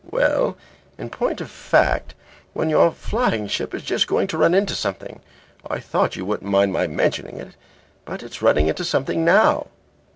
"Well, in point of fact when your flying ship is just going to run into something. I thought you wouldn't mind my mentioning it, but it's running into something now."